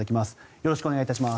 よろしくお願いします。